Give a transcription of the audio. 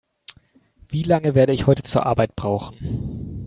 Wie lange werde ich heute zur Arbeit brauchen?